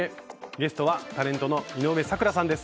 ゲストはタレントの井上咲楽さんです。